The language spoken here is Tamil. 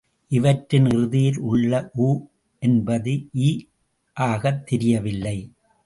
இவற்றின் இறுதியில் உள்ள உ என்பது இ ஆகத் திரியவில்லை.